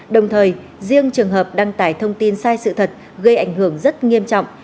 đồng thời riêng trường hợp đăng tải thông tin sai sự thật gây ảnh hưởng rất nghiêm trọng